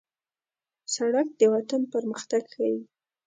سړک د وطن پرمختګ ښيي.